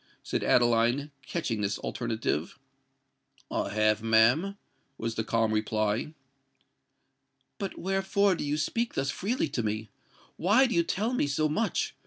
said Adeline, catching at this alternative. "I have, ma'am," was the calm reply. "But wherefore do you speak thus freely to me? why do you tell me so much?"